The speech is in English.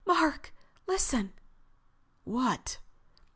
"Mark, listen!" "What?"